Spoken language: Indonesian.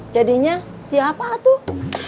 jadinya siapa atuk